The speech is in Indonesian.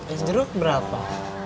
es jeruk berapa